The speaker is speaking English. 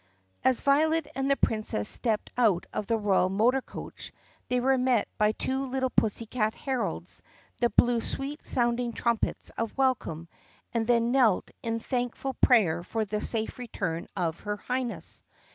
As Violet and the Princess stepped out of the royal motor coach they were met by two little pussycat heralds that blew sweet sounding trumpets of welcome and then knelt in thank ful prayer for the safe return of her Highness.